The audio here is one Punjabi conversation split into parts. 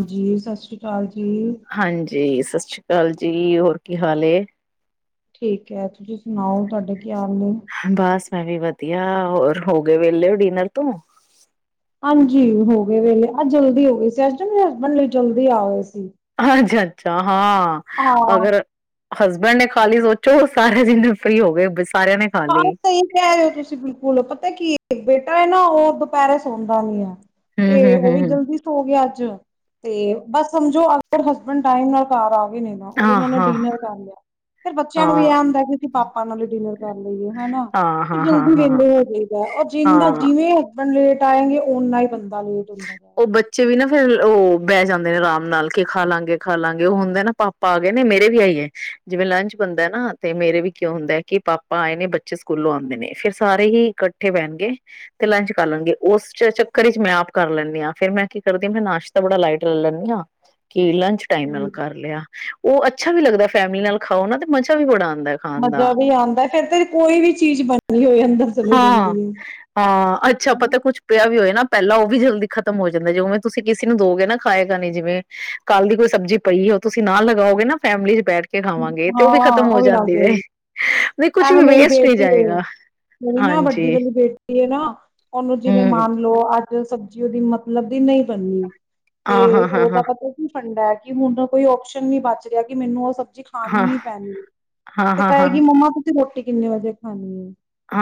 ਹਾਂਜੀ ਸਤਿ ਸ਼੍ਰੀ ਅਕਾਲ। ਅਕਾਲ ਜੀ। ਹਾਂਜੀ। ਸਤਿ ਸ਼੍ਰੀ ਅਕਾਲ ਜੀ ਹੋਰ ਕੀ ਹਾਲ। ਠੀਕ ਹੈਏ ਤੁਸੀਂ ਸੁਣਾਓ ਤੁਹਾਡੇ। ਕੀ ਹਾਲ ਨੇ ਬਸ ਮੈਂ ਵੀ ਵਧੀਆ। ਹੋਰ ਹੋ ਗਏ ਵੇਹਲੇ ਹੋ ਡਿਨਰ ਤੋਂ। ਹਾਂਜੀ ਹੋ ਗਏ ਵੇਲੇ ਅੱਜ ਜਲਦੀ ਹੋ ਗਏ ਸੀ ਅੱਜ ਮੇਰੇ ਹਸਬੈਂਡ ਲਈ ਜਲਦੀ ਆਏ ਸੀ [unintelligible] ਚਾ ਹਾਂ, ਹਾਂ ਅਗਰ ਹਸਬੈਂਡ ਨੇ ਖਾਲੀ ਸੋਚੋ ਸਾਰੇ ਜਣੇ ਫਰੀ ਹੋ ਗਏ ਬਸ। ਹਾਂ ਸਹੀ ਕਹਿ ਰਹੇ ਹੋ ਤੁਸੀਂ ਬਿਲਕੁਲ, ਪਤਾ ਕੀ ਏ ਇਕ ਬੇਟਾ ਨਾ ਉਹ ਦੁਪਹਿਰੇ ਸੌਦਾ ਨੀ ਆ ਤੇ ਹੂੰ-ਹੂੰ, ਉਹ ਵੀ ਹੂੰ-ਹੂੰ, ਜਲਦੀ ਸੋ ਗਿਆ ਅੱਜ। ਤੇ ਬਸ ਸਮਝੋ ਅਗਰ ਹਸਬੈਂਡ ਟਾਈਮ ਨਾਲ ਘਰ ਆ ਗਏ ਨੇ, ਉਹਨਾਂ ਨੇ ਹਾਂ-ਹਾਂ, ਡਿਨਰ ਕਰ ਲਿਆ, ਫਿਰ ਬੱਚਿਆਂ ਨੂੰ ਵੀ ਇਹ ਹਾਂ, ਹੁੰਦਾ ਕਿ ਅਸੀਂ ਪਾਪਾ ਨਾਲ ਡਿਨਰ ਕਰ ਲਈਏ ਹੈਨਾ ਹਾਂ, ਹਾਂ, ਉਹ ਹਾਂ, ਹਾਂ, ਜਲਦੀ ਹਾਂ। ਵੇਲੇ ਹੋ ਜੀਦਾ ਏ ਔਰ ਜਿੰਦਾ ਹਾਂ ਹਾਂ ਜਿਵੇਂ ਲੇਟ ਆਏਗੇ ਓਨਾ ਹੀ ਬੰਦਾ ਲੇਟ ਹੁੰਦਾ ਉਹ ਜਾਏਗਾ। ਬੱਚੇ ਵੀ ਨਾ ਫਿਰ ਉਹ ਬਹ ਜਾਂਦੇ ਨੇ ਆਰਾਮ ਨਾਲ ਕੇ ਖਾ ਲਾਂਗੇ ਖਾ ਲਾਂਗੇ ਉਹ ਹੁੰਦਾ ਨਾ ਪਾਪਾ ਆ ਗਏ ਨੇ ਮੇਰੇ ਵੀ ਆਈ ਹੈ ਜਿਵੇਂ ਲੰਚ ਬਣਦਾ ਏ ਨਾ ਤੇ ਮੇਰੇ ਵੀ ਕਿਉਂ ਹੁੰਦਾ ਹੈ ਕਿ ਪਾਪਾ ਆਏ ਨੇ ਬੱਚੇ ਸਕੂਲੋਂ ਆਉਂਦੇ ਨੇ ਫੇਰ ਸਾਰੇ ਹੀ ਇਕੱਠੇ ਬਹਣਗੇ ਤੇ ਲੰਚ ਕਰ ਲੈਣਗੇ ਉਸ ਚੱਕਰ ਵਿੱਚ ਮੈਂ ਆਪ ਕਰ ਲੈਂਦੀ ਹਾਂ ਫਿਰ ਮੈਂ ਕੀ ਕਰਦੀ ਹਾਂ ਮੈਂ ਨਾਸ਼ਤਾਂ ਬੜਾ ਲਾਈਟ ਲੈ ਲੈਂਣੀ ਆ ਕਿ ਲੰਚ ਟਾਈਮ ਨਾਲ ਹੂੰ ਕਰ ਲਿਆ। ਉਹ ਅੱਛਾ ਵੀ ਲੱਗਦਾ ਏ ਫੈਮਿਲੀ ਨਾਲ ਖਾਓ ਨਾ ਤੇ ਮਜ਼ਾ ਵੀ ਬੜਾ ਆ ਮਜ਼ਾ ਵੀ ਆਉਂਦਾ ਏ, ਫਿਰ ਤੇ ਕੋਈ ਵੀ ਚੀਜ਼ ਬਣੀ ਹੋਏ ਅੰਦਰ ਚਲੀ ਹਾਂ ਜਾਂਦੀ ਏ। ਹਾਂ ਅੱਛਾ ਪਤਾ ਕੁੱਛ ਪਿਆ ਵੀ ਹੋਏ ਨਾ ਪਹਿਲਾਂ ਉਹ ਵੀ ਜਲਦੀ ਖ਼ਤਮ ਹੋ ਜਾਂਦਾ, ਜਵੇਂ ਤੁਸੀਂ ਕਿਸੇ ਨੂੰ ਦੋਗੇ ਨਾ ਖਾਏ ਖਾਣੇ ਜਿਵੇਂ ਕੱਲ੍ਹ ਦੀ ਕੋਈ ਸਬਜ਼ੀ ਪਈ ਉਹ ਤੁਸੀਂ ਨਾਲ ਲਗਾਓਗੇ ਨਾ ਫੈਮਲੀ ਚ ਬੈਠ ਕੇ ਖਾਵਾਂਗੇ ਤੇ ਹਾਂ ਖਤਮ ਹੋ ਉਹ ਵੀ ਲੱਗ ਜਾਂਦੀ ਜੇ ਜੇਗੀ, ਨਹੀਂ ਕੁਛ ਏਵੇ ਵੀ ਮੇਰੀ ਵੇਸਟ ਨਹੀਂ ਬੇਟੀ ਏ ਜਾਏਗਾ ਮੇਰੀ ਨਾ ਹਾਂਜੀ ਵੱਡੀ ਵਾਲੀ ਬੇਟੀ ਨਾ ਉਹਨੂੰ ਜਿਵੇਂ ਹੂੰ ਮੰਨ ਲਓ ਅੱਜ ਸਬਜੀ ਉਹਦੀ ਮਤਲਬ ਦੀ ਨਹੀਂ ਬਣੀ ਹਾਂ ਤੇ ਹਾਂ ਹਾਂ ਉਹ ਹਾਂ ਤਾਂ ਪਤਾ ਕੀ ਫੰਡਾ ਐ ਕਿ ਹੁਣ ਕੋਈ ਓਪਸ਼ਨ ਨੀ ਬਚ ਰਿਹਾ ਕਿ ਮੈਨੂੰ ਉਹ ਸਬ ਜੀ ਖਾਣੀ ਹਾਂ ਹੀ ਪੈਣੀ ਏ ਹਾਂ ਤੇ ਹਾਂ ਕਹੇਗੀ ਹਾਂ ਮੰਮਾ ਤੁਸੀ ਰੋਟੀ ਕਿੰਨੇ ਵਜੇ ਖਾਣੀ ਏ।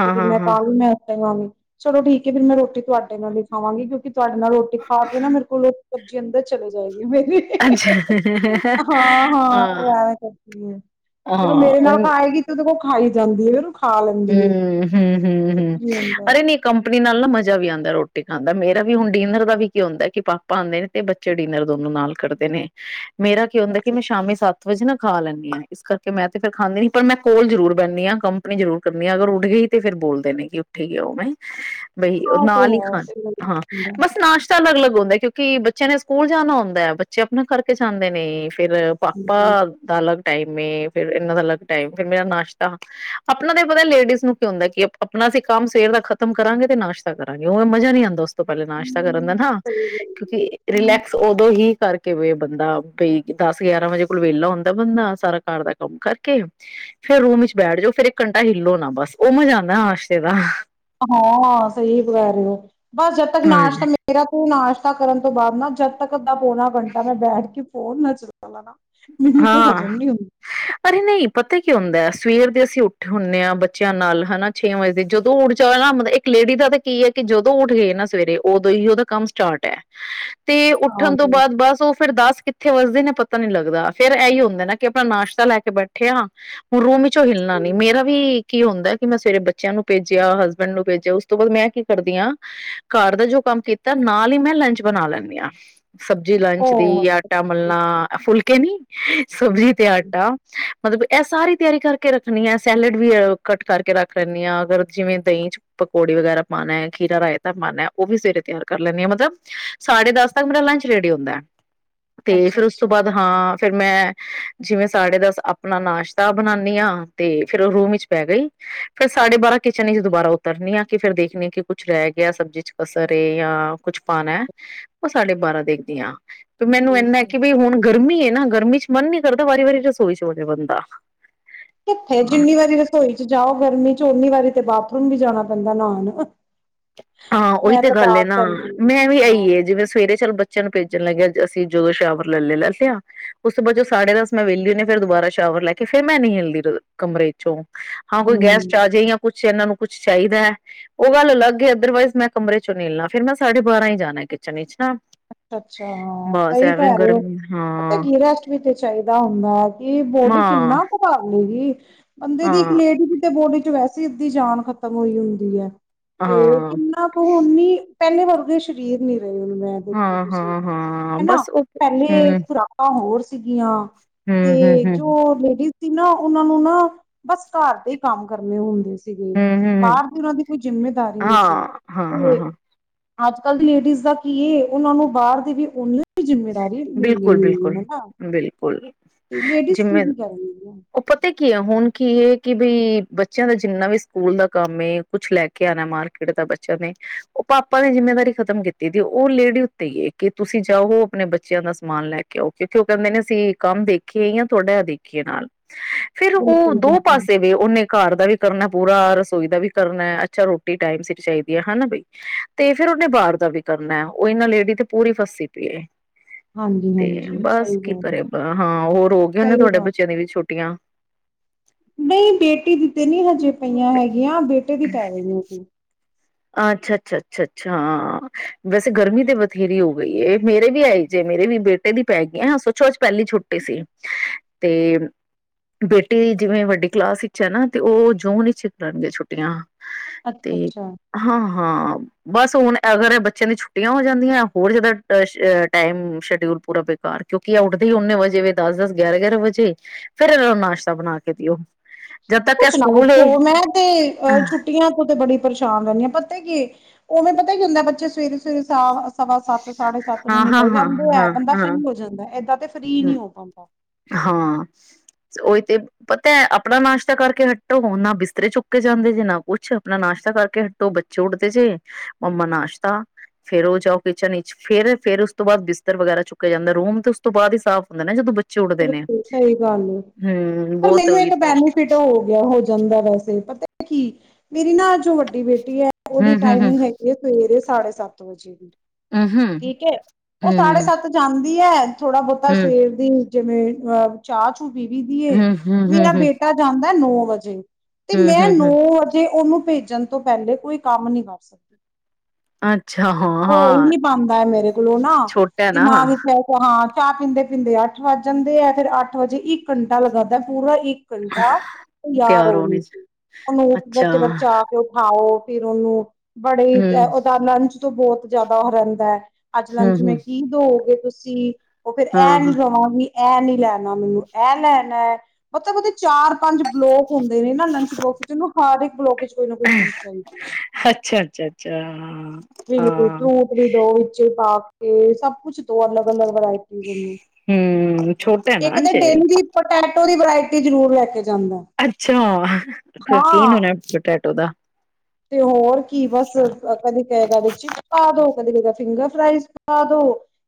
ਤੇ ਹਾਂ ਫਿਰ ਹਾਂ ਮੈਂ ਹਾਂ ਕਾਹਾਂਗੀ ਵੀ ਮੈਂ [unintelligible] ਚਲੋ ਠੀਕ ਹੈ ਫਿਰ ਮੈਂ ਰੋਟੀ ਤੁਹਾਡੇ ਨਾਲ ਹੀ ਖਾਵਾਂਗੀ ਕਿਉਂਕਿ ਤੁਹਾਡੇ ਨਾਲ ਰੋਟੀ ਖਾ ਕੇ ਨਾ ਮੇਰੇ ਕੋਲ ਸਬਜ਼ੀ ਅੰਦਰ ਚਲੇ ਜਾਏਗੀ। ਮੇਰੀ ਅੱਛਾ ਹਾਂ। [inaudible] ਫਿਰ ਉਹ ਮੇਰੇ ਹਾਂ ਨਾਲ ਖਾਏਗੀ ਤੇ ਉਹਦੇ ਕੋਲ ਖਾਈ ਜਾਂਦੀ [unintelligible] ਹੈ ਹੰਮ ਹੰਮ, ਕੁਛ ਹੰਮ-ਹੰਮ, ਵੀ ਹੁੰਦਾ ਅਰੇ ਨੀ ਕੰਪਨੀ ਨਾਲ ਨਾ ਮਜ ਜਾ ਵੀ ਆਉਂਦਾ ਰੋਟੀ ਖਾਂਣ ਦਾ ਮੇਰਾ ਵੀ ਹੁਣ ਡਿਨਰ ਦਾ ਵੀ ਕੀ ਹੁੰਂਦਾ ਐ ਕਿ ਪਾਪਾ ਆਂਦੇ ਨੇ ਤੇ ਬੱਚੇ ਡਿਨਰ ਦੋਨੋ ਨਾਲ ਕਰਦੇ ਨੇ ਮੇਰਾ ਕੀ ਹੁੰਦਾ ਕਿ ਅੱਛਾ ਮੈਂ ਅੱਛਾ। ਸ਼ਾਮੀ ਸੱਤ ਵਜੇ ਨਾ ਖਾ ਲੈਂਦੀ ਹਾਂ ਇਸ ਕਰਕੇ ਮੈਂ ਤੇ ਫਿਰ ਖਾਂਦੀ ਨ ਪਰ ਮੈਂ ਕੋਲ ਜਰੂਰ ਬਹਿੰਦੀ ਹਾਂ ਕੰਪਨੀ ਜ਼ਰੂਰ ਕਰਨੀ ਅਗਰ ਉੱਠ ਗਈ ਤੇ ਫੇਿਰ ਬੋਲਦੇ ਨੇ ਕਿ ਉੱਠੇ ਹੀ ਆ ਉਹ ਮੈਂ ਬਈ ਉਹ ਆਹ ਤੇ ਨਾਲ ਹੀ ਹੈ। ਖਾਣ ਹੂੰ ਹਾਂ ਸਹੀ ਗੱਲ ਬਸ ਨਾਸ਼ਤਾ ਅਲੱਗ ਅਲੱਗ ਹਉਦਾ ਕਿਉਂਕਿ ਬੱਚਿਆਂ ਨੇ ਸਕੂਲ ਜਾਣਾ ਹੁੰਦਾ ਹੈ ਬੱਚੇ ਆਪਣਾ ਕਰਕੇ ਜਾਂਦੇ ਨੇ ਫੇਰ ਪਾਪਾ ਹੈ। ਦਾਾਲ ਟਾਈਮ ਫਿਰ ਇਹਨਾਂ ਦਾ ਅਲੱਗ ਟਾਈਮ ਫਿਰ ਮੇਰਾ ਨਾਸ਼ਤਾ ਆਪਣਾ ਤੇ ਪਤਾ ਲੇਡੀਜ਼ ਨੂੰ ਕੀ ਹੁੰਦਾ ਕਿ ਆਪਣਾ ਅਸੀਂ ਕੰਮ ਸਵੇਰ ਦਾ ਖ਼ਤਮ ਕਰਾਂਗੇ ਤੇ ਨਾਸ਼ਤਾ ਕਰਾਂਗੇ ਉ ਮਜ਼ਾ ਨਹੀਂੀ ਆਉਂਦਾ ਤੋਂ ਪਹਿਲਾਂ ਨਾਸ਼ਤਾ ਕਰਨਦਾ ਹਾਂ ਕਿਉਂਕਿ ਰਿਲੈਕਸ ਉਦੋਂ ਹੀ ਕਰਕੇ ਕਿ ਬੰਦਾ ਬਈ ਦਸ ਗਿਆਰਾਂ ਵਜੇ ਕੋਲ ਵਿਹਲਾ ਹੁੰਦਾ ਬੰਦਾ ਸਾਰਾ ਘਰ ਦਾ ਕੰਮ ਕਰਕੇ ਫੇਰ ਰੂਮ ਵਿੱਚ ਬੈਠ ਜਾਓ ਫੇਿਰ ਇੱਕ ਕੰੰਟਾ ਹਿੱਲੋ ਨਾ ਬਸ ਉਹ ਮਜ਼ਾ ਆਉਂਦਾ ਆਾਸ਼ਤੇ ਦਾ ਹਾਂ ਸਹੀ ਵੈ ਰਹੇ ਹੋ ਬਸ ਜਦ ਤੱਕ ਹਾਂਜੀ ਨਾਸ਼ਤਾ ਮੇਰਾ ਤ ਨਾਸ਼ ਕਰਨ ਤੋਂ ਬਾਅਦ ਨਾ ਜਦ ਤੱਕ ਪੌਣਾ ਘੰਟਾ ਮੈਂ ਬੈਠ ਕੇ ਫੋਨ ਨੱਚ ਨਾ [unintelligible] ਤੇ ਹਾਂ ਹਜ਼ਮ ਨੀ ਹੁੰਦੀ ਅਰੇ ਨਹੀਂ ਪਤਾ ਹੀ ਕੀ ਹੁੰਦਾ ਸਵੇਰ ਦੇ ਅਸੀਂ ਉੱਠੇ ਹੁੰਦੇ ਹਾਂ ਬੱਚਿਆਂ ਨਾਲ ਹਨਾ ਛੇ ਵਜੇ ਦੇ ਜਦੋਂ ਉੱਠ ਜਾ ਨਾ ਮਤਲਬ ਇੱਕ ਲੇਡੀ ਦਾ ਤਾਂ ਕੀ ਹੈ ਕਿ ਜਦੋਂ ਉੱਠ ਗਏ ਨਾ ਸਵੇਰੇ ਉਦੋਂ ਹੀ ਉਹਦਾ ਕੰਮ ਸਟਾਰਟ ਹੈ ਤੇ ਉੱਠਣ ਤੋਂ ਹਾਂਜੀ। ਬਾਅਦ ਬਸ ਉਹ ਫੇਿਰ ਦਾਸ ਕਿੱਥੇ ਵਸਦੇ ਨੇ ਪ ਪਤਾ ਨੀ ਲੱਗਦਾ ਫੇਿਰ ਇਹੀ ਹੁੰਦਾ ਨਾ ਕਿ ਆਪਣਾ ਨਾਸ਼ਤਾ ਲੈ ਕੇ ਬੈਠੇਿਆ ਹੁਣ ਰੂਮ ਵਿੱਚੋਂ ਹਿੱਲਣਾ ਨੀ ਮੇਰਾ ਵੀ ਕੀ ਹੁੰਦਾ ਕਿ ਮੈਂ ਸਵੇਰੇ ਬੱਚਿਆਂ ਨੂੰ ਭੇਜਿਆ ਹਸਬੈਂਡ ਨੂੰ ਭੇਜਿਆ ਉਸ ਤੋਂ ਬਾਅਦ ਮੈਂ ਕੀ ਕਰਦੀ ਹਾਂ ਘਰ ਦਾ ਜੋ ਕੰਮ ਕੀਤਾ ਨਾਲ ਹੀ ਮੈਂ ਲੰਚ ਬਣਾ ਲੈਂਦੀ ਹਾਂ ਸਬਜ਼ੀ ਲੰਚ ਉਹ ਦੀ ਆਟਾ ਮਲਣਾ ਫੁਲਕੇ ਨੀ ਹਾਂ [unintelligible] ਸਬਜ਼ੀ ਤੇ ਆਟਾ ਮਤਲਬ ਇਹ ਸਾਰੀ ਤਿਆਰੀ ਕਰਕੇ ਰੱਖਣੀ ਆ ਸੈਲਡ ਵੀ ਕੱਟ ਕਰਕੇ ਰੱਖ ਲੈਦੀ ਆ ਅਗਰ ਜਿਵੇਂ ਦਹੀਂ ਚ ਪਕੌੜੀ ਵਗੈਰਾ ਪਾਾਨ ਖੀਰਾ ਰਾਇਤਾ ਪਾਾਨ ਉਹ ਵੀ ਸਵੇਰੇ ਤਿਆਰ ਕਰ ਲੈਦੀ ਆ ਮਤਲਬ ਸਾਡ ਦਸ ਤਕ ਮੇਰਾ ਲੰਚ ਰੇਡੀ ਹੁੰਦਾ ਹੈ ਤੇ ਅੱਛਾ ਫੇਿਰ ਉਸ ਤੋਂ ਅੱਛਾ ਬਾਅਦ ਹਾਂ ਫੇਿਰ ਮੈਂ ਜਿਵੇਂ ਸਾਡੇ ਦਸ ਆਪਣਾ ਨਾਸ਼ਤਾ ਬਣਾਉਾਨਦੀ ਆਾਂ ਤੇ ਫੇਿਰ ਉਹ ਰੂਮ ਵਿੱਚ ਪੈ ਗਈ ਫੇਰ ਸਾਡੇ ਬਾਰਾਂ ਕਿਚਨ ਵਿੱਚ ਦੁਬਾਰਾ ਉਤਰਨੀ ਆ ਕਿ ਫਿਰ ਦੇਖਣੀ ਕਿ ਕੁਛ ਰਹਿ ਗਿਆ ਸਬਜ਼ੀ ਚ ਕਸਰ ਏ ਜਾਂ ਕੁਛ ਪਾਉਣਾ ਉਹ ਸਾਡੇ ਬਾਰਾਂ ਦੇਖਦੀ ਆਾਂ ਵੀ ਮੈਨੂੰ ਠੀਕ ਇਹਦਾ ਹੈ। ਕਿ ਬਈ ਹੁਣ ਗਰਮੀ ਹੈ ਨਾ ਗਰਮੀ ਚ ਮਨ ਨਹੀਂੀ ਕਰਦਾ ਵਾਰੀ ਵਾਰੀ ਰਸੋਈ ਸੋ ਜਾਹਾ ਬੰਦਾ ਕਿੱਥੇ ਹਾਂ ਜਿੰਨੀ ਵਾਰੀ ਰਸੋਈ ਚ ਜਾਓ ਗਰਮੀ ਚ ਝੋਨੀ ਵਾਰੀ ਤੇ ਬਾਥਰੂਮ ਵੀ ਜਾਣਾ ਪੈਂਦਾ ਨਾਨ ਹਾਂ ਉਹੀ ਤੇ ਗੱਲ ਹੈ ਨਾ ਮੈਂ ਵੀ ਹਾਂ ਆਈਏ ਜਿਵੇਂ ਸਵੇਰੇ ਚੱਲ ਬ ਚਨ ਭੇਜਣ ਲੱਗਿਆ ਅਸੀਂ ਜਦੋਂ ਸ਼ਾਵਰ ਲੈ ਲੈ ਲੈ ਲਿਆ ਉਸ ਤੋਂ ਬਾਅਦ ਜੋਦ ਸਾਢ ਦਸ ਮੈਂ ਵਿਹਲੀ ਹੁੰ ਫਿਰ ਦੁਬਾਰਾ ਸ਼ਾਵਰ ਲੈ ਕੇ ਫੇਿਰ ਮੈਂ ਨ ਹਿਲਦੀ ਕਮਰੇ ਚੋਂ ਹਾਂ ਕੋਈ ਗੈਸ ਚ ਹੂੰ। ਆ ਜਾੇ ਜਾਂ ਕੁਛ ਛ ਐਨਾਂ ਨੂੰ ਕੁੱਛ ਚਾਹੀਦੈ। ਔ, ਗੱਲ ਅਲੱਗ ਏ। ਅਦਰਵਾਈਜ਼ ਮੈਂ ਕਮਰੇ ਚੋਂ ਨਿਲਣਾ, ਫਿਰ ਮੈਂ ਸਾਡੇ ਬਾਰਾਂ ਈ ਜਾਣੈ ਕਿਚਨ ਵਿੱਚ। ਨਾ ਅੱਛਾ ਅੱਛਾ। ਹਾਂ, ਬਸ ਸਹੀ ਐਵੇਂ ਕੈਰੇ ਹੋ ਗਰਮੀ ਪਤੈ ਹਾਂ ਕਿ ਏ ਰੈਸਟ ਵੀ ਤੇ ਚਾਹੀਦਾ ਹੁੰਦੈ, ਕਿ ਬੋਡੀ ਹਾਂ ਕਿੰਨਾ ਕ ਕਾਰ ਲੇ ਗੀ। ਹ। ਬੰਦੇ ਦੀ ਇੱਕ ਹਾਂ ਲੇਡੀ ਕਿਤੇ ਬੋਡੀ ਚ ਵੈਸ ਸਿੱਧੀ ਜਾਨ ਖ਼ਤਮ ਹੋਈ ਹੁੰਦੀ ਹੈ। ਤੇ ਹਾਂ ਕਿੰਨਾ ਕੁ ਹੁਨੀ ਪੈਲੇ ਵਰਗੇ ਸਰੀਰ ਨੀ ਰਹੇ ਹੁਣ ਮੈਂ ਔ ਹਾਂ ਤੁਸੀਂ ਹਾਂ ਹਾਂ ਹੈਨਾ ਬਸ ਉਹ ਪੈਲੇ ਹੂੰ ਖੁਰਾਕਾਂ ਹੋਰ ਸ ਸੀਗੀਆਂ ਹੂੰ ਹੂੰ ਤੇ ਹੂੰ ਜੋ ਲੇਡੀਜ਼ ਤੀਨਾ ਓਹਨਾਂ ਨੂੰ ਨਾ ਬਸ ਘਰ ਦੇ ਹੀ ਕਾਮ ਕਰਨੇ ਹੁੰਦੇ ਸ ਸੀਗੇ, ਹੂੰ ਹੂੰ ਬਾਹਰ ਦੀ ਔਨਾਂ ਦੀ ਕੋਈ ਜਿੰਮੇਦਾਰੀ ਹਾਂ ਨੀ ਸੀ। ਹਾਂ ਹਾਂ ਯੇ ਹਾਂ ਅੱਜ ਕੱਲ ਦੀ ਲੇਡੀਜ਼ ਦਾ ਕੀ ਏ ਉਹਨਾਂ ਨੂੰ ਬਾਹਰ ਦੀ ਵੀ ਓਨੀਓ ਬਿਲਕੁਲ ਬਿਲਕੁਲ, ਬਿਲਕੁਲ ਤੇ ਲੇਡੀਜ਼ ਕੀ ਜਿਮੇਂ, ਵੀ ਕਰਨਗੀਆਂ। ਔ ਪਤੈ ਕੀ ਹੈ ਹੁਣ ਕੀ ਏ ਕਿ ਬਈ ਬੱਚਿਆਂ ਦਾ ਜਿੰਨਾ ਵੀ ਸਕੂਲ ਦਾ ਕੰਮ ਏ ਕੁਛ ਲੈ ਕੇ ਆਣਾ ਮਾਰਕੀਟ ਦਾ ਬੱਚਿਆਂ ਨੇ, ਔ ਪਾਪਾ ਨੇ ਜਿੰਮੇਦਾਰੀ ਖਤਮ ਕੀਤੀ ਦੀਏ। ਔ ਲੇਡੀ ਉੱਤੇ ਈਏ ਕਿ ਤੁਸੀਂ ਜਾਓ। ਆਪਣੇ ਬੱਚਿਆਂ ਦਾ ਸਮਾਨ ਲੈ ਕੇ ਆਓ, ਕਿਉਂਕਿ ਔ ਕਹਿੰਦੇ ਨੇ ਅਸੀਂ ਕੰਮ ਦੇਖੀਏ ਯਾ ਤੁਹਾਡਾ ਐ ਦੇਖੀਏ ਨਾਲ‌। ਫੇਰ ਔ ਬਿਲਕੁਲ ਦੋ ਬਿਲਕੁਲ। ਪਾਸੇ ਵੇ, ਔਨੇ ਘਰ ਦਾ ਵੀ ਕਰਨੈ। ਪੂਰਾ ਰਸੋਈ ਦਾ ਵੀ ਕਰਨੈ। ਅੱਛਾ, ਰੋਟੀ ਟਾਈਮ ਸੀਰ ਚਾਹੀਦੀ ਹੈ ਹੈਨਾ ਬਈ। ਤੇ ਫੇਰ ਉਹਨੇ ਬਾਹਰ ਦਾ ਵੀ ਕਰਨੈ, ਔਏਨਾਂ ਲੇਡੀ ਤੇ ਪੂਰੀ ਫਸੀ ਪੀਏ। ਤੇ ਹਾਂਜੀ-ਹਾਂਜੀ ਬਸ ਸਹੀ ਕੀ ਗੱਲ ਏ। ਕਰੇ ਬ ਹਾਂ, ਹੌਰ ਹੋ ਗਏ ਨੇ ਸਹੀ ਤੁਹਾਡੇ ਗੱਲ ਬੱਚਿਆਂ ਦੀ ਵੀ ਛੁਟ ਟੀਆਂ। ਨਹੀਂ, ਬੇਟੀ ਦੀਤੇ ਨੀ ਹਜੇ। ਪਈਆਂ ਹੈਗੀਆਂ ਬੇਟੇ ਦੀ ਪੈ ਗਈਐ ਜੀ। ਅੱਛਾ ਅੱਛਾ ਅੱਛਾ ਅੱਛਾ। ਹਾਂ, ਵੈਸੇ ਗਰਮੀ ਤੇ ਬਥੇਰੀ ਹੋ ਗਈ ਏ, ਮੇਰੇ ਵੀ ਐਈ ਜੇ ਮੇਰੇ ਵੀ ਬੇਟੇ ਦੀ ਪੈ ਗਈਐ ਸੋਚੋੱ ਅਜ ਪੈਲੀ ਛੁੱਟੀ ਸੀ ਤੇ ਬੇਟੀ ਜਿਵੇਂ ਵੱਡੀ ਕਲਾਸ ਵਿੱਚ ਹੈ ਨਾ ਤੇ ਓਹ ਜੂਨ ਚ ਕਰਨਗੇ ਛੁੱਟੀਆਂ। ਅੱਛਾ ਤੇ ਅੱਛਾ। ਹਾਂ ਹਾਂ। ਬਸ, ਹੁਣ ਐ ਅਗਰ ਬੱਚਿਆਂ ਦੀ ਛੁੱਟੀਆਂ ਹੋ ਜਾਂਦੀਐ ਹੋਰ ਜਿਆਦਾ ਸ਼ ਟਾਈਮ ਸ਼ਡਿਊਲ ਪੂਰਾ ਬੇਕਾਰ ਕਿਉਂਕਿ ਇਹ ਉੱਠਦੇ ਹੀ ਓਨੇ ਵਜੇ ਦਸ ਦਸ ਗਿਆਰਾਂ ਗਿਆਰਾਂ ਵਜੇ ਫੇਰ ਏਹਨਾਂ ਨੂੰ ਨਾਸ਼ਤਾ ਬਣਾ ਕੇ ਦਿਓ। ਜਦ ਤੱਕ ਇਹ ਕੁੱਛ ਨਾ ਸਕੂਲ ਪੁੱਛੋ, ਮੈਂ ਤੇ ਏ ਅਹ ਛੁੱਟੀਆਂ ਤੋਂ ਤੇ ਬੜੀ ਪਰੇਸ਼ਾਨ ਰਹਣੀ ਆ ਪਤਾ ਕੀ ਔ ਨਾ ਪਤਾ ਕੀ ਹੁੰਦੈ ਬੱਚੇ ਸਵੇਰੇ ਸਵੇਰੇ ਸਾਫ਼ ਸਵਾ ਸੱਤ ਸਾਢੇ ਸੱਤ ਨੂੰ ਨਿਕਲ ਜਾਂਦੇ ਹੈ ਹਾਂ-ਹਾਂ-ਹਾਂ-ਹਾਂ-ਹਾਂ, ਬੰਦਾ ਫਰੀ ਹੋ ਜਾਂਦੈ। ਏਦਾਂ ਤੇ ਫਰੀ ਨੀ ਹੂੰ, ਹੋ ਪਾਂਦਾ। ਹਾਂ, ਔਹੀ ਤੇ ਪਤੈ ਆਪਣਾ ਨਾਸ਼ਤਾ ਕਰਕੇ ਹਟੋ ਹੁਣ ਨਾ ਬਿਸਤਰੇ ਚੁੱਕੇ ਜਾਂਦੇ ਜੇ ਨਾ ਕੁਛ ਆਪਣਾ ਨਾਸ਼ਤਾ ਕਰਕੇ ਹਟੋ ਬੱਚੇ ਉੱਠਦੇ ਜੇ ਮੰਮਾ ਨਾਸ਼ਤਾ। ਫੇਰ, ਉਹ ਜਾਓ ਕਿਚਨ ਵਿੱਚ ਫੇਰ ਫੇਰ ਉਸ ਤੋਂ ਬਾਅਦ ਬਿਸਤਰ ਵਗੈਰਾ ਚੁੱਕਿਆ ਜਾਂਦੈ ਰੂਮ ਤੋ ਉਸ ਤੋਂ ਬਾਅਦ ਹੀ ਸਾਫ਼ ਹੁੰਦਾ ਨਾ ਜਦੋਂ ਬਚ ਬਿਲਕੁਲ ਸਹੀ ਗੱਲ ਏ। ਹੂੰ ਪਰ, ਬਹੁਤ ਮੈਨੂੰ ਉਹੀ ਇੱਕ ਤੇ ਬੈਨੀਫਿਟ ਹੋ ਗਿਆ ਹੋ ਜਾਂਦੈ ਵੈਸੇ ਪਤੈ ਕੀ ਮੇਰੀ ਨਾੱ ਜੋ ਵੱਡੀ ਬੇਟੀ ਹੈ ਉਹਦੀ ਹੂੰ-ਹੂੰ-ਹੂੰ, ਟਾਈਮਿੰਗ ਹੈਗੀ ਹੈ ਸਵੇਰੇ ਸਾਢੇ ਸੱਤ। ਹੈਲੋ ਜੀ। ਹੂੰ-ਹੂੰ, ਠੀਕ ਐ, ਉਹ ਸਾਢੇ ਹੂੰ-ਹੂੰ, ਸੱਤ ਜਾਂਦੀ ਹੈ। ਥੋੜਾ ਬਹੁਤਾ ਹੂੰ। ਸਵੇਰ ਦੀ ਜਿਵੇਂ ਅ ਚਾਹ ਕੂ ਪੀ ਵੀ ਦੀਏ ਮੇਰਾ ਹੂੰ-ਹੂੰ-ਹੂੰ-ਹੂੰ, ਬੇਟਾ ਜਾਂ ਨਾ ਨੌ ਵਜੇ। ਤੇ ਮੈਂ ਨੋਂ ਹੂੰ-ਹੂੰ-ਹੂੰ ਅਜੇ ਉਹਨੂੰ ਭੇਜਣ ਤੋਂ ਪਹਿਲੇ ਕੋਈ ਕੰਮ ਨਹੀਂ ਕਰ ਸਕਦੀ। ਅੱਛਾ ਹੋ ਹੀ ਹਾਂ-ਹਾਂ ਨੀ ਪਾਂਦਾ ਮੇਰੇ ਕੋਲੋਂ ਨਾ, ਛੋਟਾ ਨਾ ਦਿਮਾਗ ਵਿੱਚ ਹੈ ਕੇ ਹਾਂ ਚਾਹ ਪੀਂਦੇ-ਪੀਂਦੇ ਆ ਅੱਠ ਵੱਜ ਜਾਂਦੇ ਹੈ। ਫਿਰ ਅੱਠ ਵਜੇ ਇੱਕ ਘੰਟਾ ਲਗਾਦਾ ਪੂਰਾ ਇੱਕ। ਘੰਟਾ ਤ ਯਾਰ ਤਿਆਰ ਉਹ ਹੋਣੇ ਨੀ, ਚ ਉਹਨੂੰਪ ਅੱਛਾ ਵਿੱਚ ਵਰਚਾ ਕੇ ਉਠਾਓ। ਫਿਰ ਉਹਨੂੰ ਬੜੇ ਹੀ ਤ ਹੂੰ, ਓਹਦਾ ਲੰਚ ਤੋਂ ਬਹੁਤ ਜ਼ਿਆਦਾ ਉਹ ਰਹਿੰਦਾ ਹੈ। ਅੱਜ ਲੰਚ ਮੇਂ ਹੂੰ-ਹੂੰ, ਕੀ ਦਓਗੇ ਤੁਸੀਂ? ਸੀ। ਉਹ ਫਿਰ ਐ ਹਾਂ-ਹਾਂ। ਵੀ ਇਹ ਨੀ ਲੈਣਾ ਮੈਨੂੰ, ਇਹ ਲੈਣਾ ਹੈ। ਮਤਲਬ ਓਹਦੇ ਚਾਰ ਪੰਜ ਬਲੋਕ ਹੁੰਦੇ ਨੇ ਨਾ ਲੰਚ ਬੋਕਸ ਚ, ਉਹਨੂੰ ਹਰ ਇੱਕ ਬਲੋਕ ਚ ਕੋਈ ਨਾ ਕੋਈ ਚੀਜ਼ ਚਾਹੀਦੀ ਹੈ। ਅੱਛਾ ਅੱਛਾ ਅੱਛਾ ਬਿਲਕੁਲ ਹਾਂ ਤੂੰ ਆਪਣੀ ਦੋ ਵਿੱਚ ਪਾ ਕੇ ਸਭ ਕੁਛ ਦੋ ਅਲੱਗ-ਅਲੱਗ ਵਰਾਇਟੀਸ ਨੂੰ, ਹਮ ਛੋਟਾ ਨਾ ਇੱਕ ਤਾਂ ਹਜੇ ਡੇਮ ਦੀ ਪਟੇ ਥੋੜੀ ਵਰਾਇਟੀ ਜ਼ਰੂਰ ਲੈ ਕੇ ਜਾਂਦਾ। ਅੱਛਾ, ਸ਼ੋਕੀਨ ਹਾਂ ਹੋਣਾ ਪੋਟੈਟੋ ਦਾ? ਤੇ ਹੋਰ। ਕੀ ਬਸ ਕਦੀ ਕਹੇਗਾ ਬੀ ਚਿਪਸ ਪਾ ਦੋ, ਕਦੀ ਕਹੇਗਾ ਫਿੰਗਰ ਰਾਇਸ ਪਾ ਦੋ।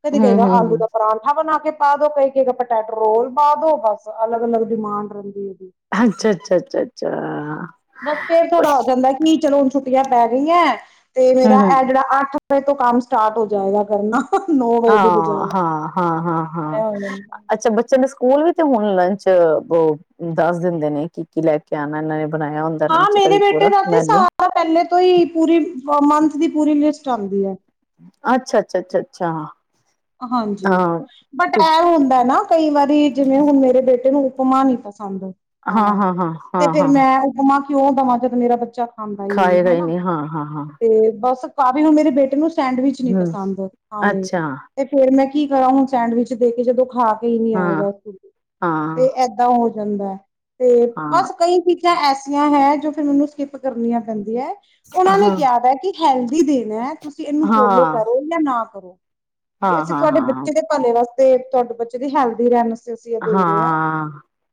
ਕਦੀ ਕਹੇਗਾ ਹਮ ਆਲੂ ਹਮ ਦਾ ਪਰਾਂਠਾ ਬਣਾ ਕੇ ਪਾਦੋ ਕਈ ਕਹੇਗਾ ਪਟੈਟੋ ਰੋਲ ਬਾਦੋ, ਬਸ ਅਲੱਗ ਅਲੱਗ ਡਿਮਾਂਡ ਰਹਿੰਦੀ ਹੈ। ਅੱਛਾ-ਅੱਛਾ-ਅੱਛਾ-ਅੱਛਾ। ਬਸ ਤੇ ਥੋੜਾ ਹੋ ਜਾਂਦਾ ਹੈ ਕਿ ਚਲੋ ਹੁਣ ਛੁੱਟੀਆਂ ਪੈ ਗਈਆਂ ਤੇ ਮੇਰਾ ਹਮ ਹਮ ਏਹ ਜਿਹੜਾ ਅੱਠ ਫੇਰ ਤੋਂ ਕੰਮ ਸਟਾਰਟ ਹੋ ਜਾਏਗਾ ਕਰਨਾ ਨੌ ਵਜੇ ਦੀ ਹਾਂ ਹਾਂ ਹਾਂ ਹਾਂ ਹਾਂ ਬਜਾਏ। ਅੱਛਾ ਬੱਚੇ ਦੇ ਸਕੂਲ ਵਿੱਚ ਤੇ ਹੁਣ ਲੰਚ ਦੱਸ ਦਿੰਦੇ ਨੇ ਕਿ ਕੀ ਲੈ ਕੇ ਆਉਣਾ ਇਹਨਾਂ ਨੇ ਬਣਾਇਆ ਹੁੰਦਾ ਹਾਂ ਲੰਚ ਦਾ ਮੇਰੇ ਵੀ ਬੇਟੇ ਪੂਰਾ ਦਾ ਤੇ ਮੈਨਿਊ ਸਾਰਾ ਪਹਿਲੇ ਤੋਂ ਹੀ ਪੂਰੀ ਮੰਥ ਦੀ ਪੂਰੀ ਲਿਸਟ ਚੱਲਦੀ ਹੈ ਅੱਛ ਅੱਛ ਅੱਛ ਅੱਛਾ ਹਾਂਜੀ ਹਾਂ ਬਟ ਇਹ ਹੁੰਦਾ ਨਾ ਕਈ ਵਾਰੀ ਜਿਵੇਂ ਹੁਣ ਮੇਰੇ ਬੇਟੇ ਨੂੰ ਕਮ ਨੀ ਪਸ ਪਸੰਦ ਹਾਂ ਖਾਣਾ ਹਾਂ ਹਾਂ ਤੇ ਹਾਂ ਫਿਰ ਹਾਂ ਮੈਂ ਉਪਮਾ ਕਿਉਂ ਦੇਵਾਂ ਜਦ ਮੇਰਾ ਬੱਚਾ ਖਾਂਦਾ ਹੀ ਨੀ ਖਾਏਗਾ ਹਨਾ ਨਹੀਂ ਹਾਂ ਹਾਂ ਹਾਂ ਤੇ ਬਸ ਕਾਫੀ ਹ ਮੇਰੇ ਬੇਟੇ ਨੂੰ ਸੈਂਡਵਿਚ ਨੀ ਹਮ ਪਸੰਦ ਆਹੋ ਅੱਛਾ ਤੇ ਫੇਰ ਮੈਂ ਕੀ ਕਰਾਂ ਹੁਣ ਸੈਂਡਵਿਚ ਦੇ ਕੇ ਜਦੋਂ ਖਾ ਕੇ ਨਹੀ ਹਾਂ ਆਏਗਾ ਹਾਂ ਤੇ ਏਦਾਂ ਹ ਜਾਂਦਾ ਤੇ ਹਾਂ ਬਸ ਕਈ ਚੀਜ਼ਾਂ ਐਸ ਏ ਹੈ ਜੋ ਫਿਰ ਉਹਨੂੰ ਸਕਿੱਪ ਕਰਨੀਆਂ ਪੈਂਦੀਆਂ ਉਹਨਾਂ ਨੇ ਹਾਂ ਕਿਹਾਦਾ ਹੈ ਕਿ ਹੈਲਥ ਦੇਣਾ ਹੈ ਤੁਸੀਂ ਇਹਨੂੰ ਫੋਲੋ ਹਾਂ ਕਰੋ ਜਾਂ ਨਾ ਕਰੋ ਕਿ ਹਾਂ ਅਸੀਂ ਹਾਂ ਤੁਹਾਡੇ ਹਾਂ ਬੱਚੇ ਦੇ ਭਲੇੇ ਦਾ ਤੇ ਤੁਹਾਡੇ ਬੱਚੇ ਦੀ ਹੈਲਦੀ ਰਹਿਣ ਵਾਸਤੇ ਅਸੀਂ ਇਹ ਦੇ ਰਹੇ ਹਾਂ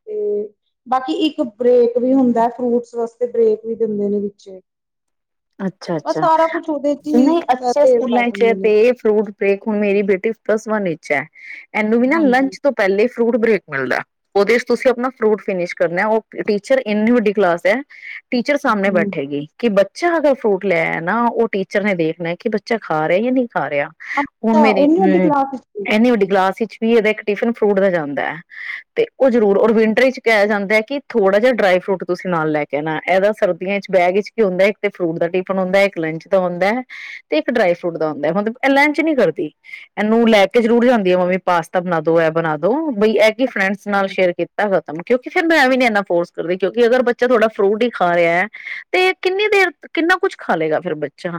ਤੇ ਬਾਕੀ ਇੱਕ ਬ੍ਰੇਕ ਵੀ ਹੁੰਦਾ ਫਰੂਟਸ ਵਾਸਤੇ ਬ੍ਰੇਕ ਵੀ ਦਿੰਦੇ ਨੇ ਵਿੱਚੇ ਅੱਛਾ ਅੱਛਾ ਹੀ ਨਹੀਂ ਅੱਛੇ ਤੇ ਸਕੂਲਾਂ ਦੱਸ ਚ ਦਿੰਦੇ ਪ ਨੇ ਫਰੂਟ ਪੇ ਹੁਣ ਮੇਰੀ ਬੇਟੀ ਪਲੱਸ ਵਨ ਵਿੱਚ ਹੈ ਇਹਨੂੰ ਵੀ ਨਾ ਹਾਂਜੀ ਲੰਚ ਤੋਂ ਪਹਿਲੇ ਫਰੂਟ ਬ੍ਰੇਕ ਮਿਲਦਾ ਉਹਦੇ ਚ ਤੁਸੀਂ ਆਪਣਾ ਫਰੂਟ ਫਿਨਿਸ਼ ਕਰਨਾ ਉਹ ਟੀਚਰ ਇੰਨੀ ਵੱਡੀ ਕਲਾਸ ਹੈ ਟੀਚਰ ਸਾਹਮਣੇ ਹਮ। ਬੈਠੇਗੀ ਕਿ ਬੱ ਬੱਚਾ ਅਗਰ ਫਰੂਟ ਲੈ ਨਾ ਉਹ ਟੀਚਰ ਨੇ ਦੇਖਣਾ ਕਿ ਬੱਚਾ ਖਾ ਰਿਹਾ ਜਾਂ ਨਹੀਂ ਖਾ ਰਿਹਾ ਹੁਣ ਅੱਛਾ ਮੇਰੇ ਇੰਨੀ ਵੱਡੀ ਹਮ ਕਲਾਸ ਵਿੱਚ ਇੰਨੀ ਵੱਡੀ ਗਲਾਸ ਵਿੱਚ ਵੀ ਇਹਦਾ ਇੱਕ ਟਿਫਿਨ ਫਰੂਟ ਦਾ ਜਾਂਦਾ ਹੈ ਤੇ ਉਹ ਜ਼ਰੂਰ ਔਰ ਵਿੰਟਰ ਵਿੱਚ ਕਿਹਾ ਜਾਂਦਾ ਹੈ ਕਿ ਥੋੜ੍ਹਾ ਜਿਹਾ ਡਰਾਈ ਫਰੂਟ ਤੁਸੀਂ ਨਾਲ ਲੈ ਕੇ ਆਣਾ ਇਹਦਾ ਸਰਦੀਆਂ ਚ ਬੈਗ ਵਿੱਚ ਕੀ ਹੁੰਦਾ ਤੇ ਫਰੂਟ ਦਾ ਟਿਫਨ ਹੁੰਦਾ ਇੱਕ ਲੰਚ ਦਾ ਹੁੰਦਾ ਹੈ ਤੇ ਇੱਕ ਡਰਾਈ ਫਰੂਟ ਦਾ ਹੁੰਦਾ ਹੁਣ ਇਹ ਲੰਚ ਨੀ ਕਰਦੀ ਇਹਨੂੰ ਲੈ ਕੇ ਜ਼ਰੂਰ ਜਾਂਦੀ ਆ, ਮੰਮੀ ਪਾਸਤਾ ਬਣਾ ਦੋ ਇਹ ਬਣਾ ਦੋ ਬਈ ਇਹ ਕਿ ਫਰੈਂਡਸ ਨਾਲ ਅੱਛਾ, ਸ਼ੇਅਰ ਕੀਤਾ ਖ਼ਤਮ ਕਿਉਂਕ ਫਿਰ ਮੈਂ ਵੀ ਨੀ ਇੰਨਾ ਫੋਰਸ ਕਰਦੀ ਕਿਉਂਕਿ ਅਗਰ ਬੱਚਾ ਤੋਹਾਡਾ ਫਰੂਟ ਹੀ ਖਾ ਰਿਹਾ ਹੈ ਤੇ ਕਿੰਨੀ ਦੇਰ ਕਿੰਨਾ ਕੁਛ ਖਾ ਲਏਗਾ ਫੇਰ ਬੱਚਾ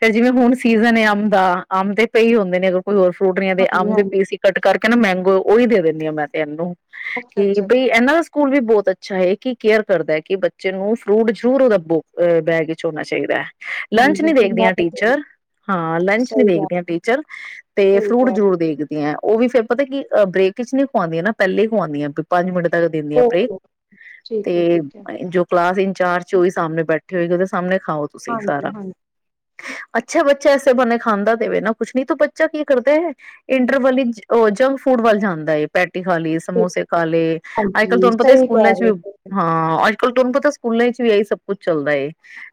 ਫੇਰ ਜਿਵੇਂ ਹੁਣ ਸੀਜ਼ਨ ਏ ਅੰਬ ਦਾ, ਅੰਬ ਤੇ ਪਈ ਹੁੰਦੇ ਨੇ ਕੋਈ ਹੋਰ ਫਰੂਟ ਨਹੀਂ ਤੇ ਹਾਂਜੀ ਆਮ ਦੇ ਹਾਂਜੀ ਪੀਸ ਹੀ ਕੱਟ ਕਰਕੇ ਕਹਿੰਦਾ ਮੈਂਗੋ, ਉਹੀ ਦੇ ਦਿੰਦੀ ਹਾਂ ਮੈਂ ਤੇ ਇਹਨੂੰ ਅੱਛਾ ਕਿ ਅੱਛਾ ਬਈ ਅੱਛਾ। ਇਹਨਾਂ ਦਾ ਸਕੂਲ ਵੀ ਬਹੁਤ ਅੱਛਾ ਚਾੇ ਕਿ ਕੇਅਰ ਕਰਦਾ ਹੈ ਕਿ ਬੱਚੇ ਨੂੰ ਫਰੂਟ ਜ਼ਰੂਰ ਉਹਦਾ ਬ ਬੈਗ ਝੋਨਾ ਚਾਹੀਦਾ ਲੰਚ ਹਾਂਜੀ ਨੀ ਚੰਗਾ ਦੇਖਦੀਆਂ ਪਤਾ ਨੀ, ਟੀਚਰ ਹਾਂ ਲੰਚ ਨੀ ਸਹੀ ਗੱਲ ਦੇਖਦੀਆਂ ਟੀਚਰ ਤੇ ਸਹੀ ਫਰੂਟ ਕਹਿ ਜ਼ਰੂਰ ਰਹੇ ਦੇਖਦੀਆਂ ਉਹ ਵੀ ਫਿਰ ਪਤਾ ਕੀ ਬ੍ਰੇਕ ਚ ਨਹੀਂੀ ਖਵਾਉਦੀਆਂ ਨਾ ਪਹਿਲੇ ਹੀ ਖੁਵਾਉਦੀਆਂ ਵੀ ਪੰਜ ਮਿੰਟ ਤ ਦਿੰਦੀਆਂ ਆਪੇ ਓਕੇ ਠੀਕ ਹੈ ਤੇ ਠੀਕ ਹੈ ਜੋ ਕਲਾਸ ਇ ਚਾਰ ਚੋ ਹੀ ਸਾਹਮਣੇ ਬੈਠੇ ਹੋਏ ਕਦੇ ਸਮਣੇ ਖਾਓ ਤੁਸੀਂ ਹਾਂਜੀ ਸਾਰਾ। ਹਾਂਜੀ ਅੱਛਾ ਬੱਚਾ ਐਸੇ ਬਾਨੇ ਖਾਂਦਾ ਤੇ ਵੇ ਨਾ ਕੁਛ, ਨੀ ਤੋ ਬੱਚਾ ਕੀ ਕਰਦਾ ਏ। ਇੰਟਰਵੱਲ ਈ ਜੰਕ ਫੂਡ ਵੱਲ ਜਾਂਦਾ ਏ। ਪੈਟ ਰੋਟੀ ਖਾ ਲਈ, ਠੀਕ, ਸਮੋਸੇ ਖਾ ਲਏ, ਅੱਜ ਕੱਲ ਹਾਂਜੀ ਤੁਹਾਨੂੰ ਪਤਾ ਸਹੀ ਸਕੂਲਾਂ ਕਹਿ ਚ ਵੀ, ਰਹੇ ਹੋ, ਠੀਕ ਹਾਂ। ਅੱਜ [unintelligible] ਤੁਹਾਨੂੰ ਪਤਾ ਸਕੂਲਾਂ ਚ ਵੀ ਆਹੀ ਸਭ ਕੁਛ ਚੱਲਦਾ ਏ।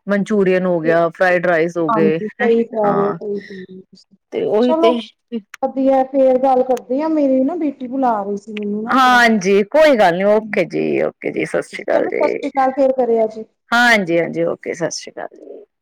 ਮਨਚੂਰੀਅਨ ਹੋ ਗਿਆ ਠੀਕ, ਫਰਾਈਡ ਰਾਈਸ ਹੋ ਗਏ ਹਾਂਜੀ, ਸਹੀ ਕਹਿ ਰੇਓ, ਹਾਂ ਸਹੀ ਕਹਿ ਰੇਓ ਤੁਸੀ, ਤੇ ਉਹੀ ਚਲੋ ਤੇ ਵਧੀਐ ਫੇਰ। ਗੱਲ ਕਰਦੇ ਆ, ਮੇਰੀ ਨਾ ਬੇਟੀ ਬੁਲਾ ਰੀ ਸੀ। ਮੈਨੂੰ ਨਾ ਥੋੜਾ ਹਾਂਜੀ ਕੋਈ ਗੱਲ ਨੀ। ਓਕੇ ਜੀ, ਓਕੇ ਜੀ, ਸਤਿ ਸ੍ਰੀ ਅਕਾਲ ਚਲੋ ਸਤਿ ਸ੍ਰੀ ਜੀ। ਅਕਾਲ ਫੇਰ ਕਰਿਆ ਜੀ ਹਾਂਜੀ, ਹਾਂਜੀ ਓਕੇ ਸਤਿ ਸ਼੍ਰੀ ਅਕਾਲ ਜੀ। [inaudible]